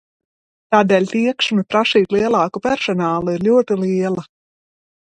Tādēļ tieksme prasīt lielāku personālu ir ļoti liela.